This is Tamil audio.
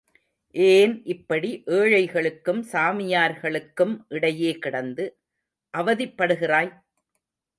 ஏன் இப்படி ஏழைகளுக்கும் சாமியார்களுக்கும் இடையே கிடந்து அவதிப்படுகிறாய்?